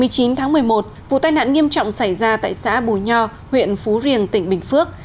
ngày chín tháng một mươi một vụ tai nạn nghiêm trọng xảy ra tại xã bùi nho huyện phú riềng tỉnh bình phước